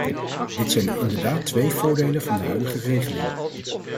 Dit zijn inderdaad twee voordelen van de huidige regeling.